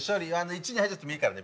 １に入っちゃってもいいからね